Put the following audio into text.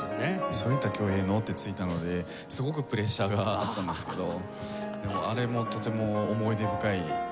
「反田恭平の」って付いたのですごくプレッシャーがあったんですけどでもあれもとても思い出深い回でしたね。